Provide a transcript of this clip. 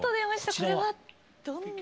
これはどんな？